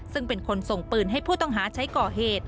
ซึ่งเป็นคนส่งปืนให้ผู้ต้องหาใช้ก่อเหตุ